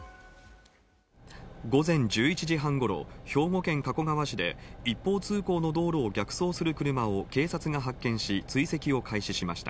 午前１１時半ごろ兵庫県加古川市で一方通行の道路を逆走する車を警察が発見し追跡を開始しました。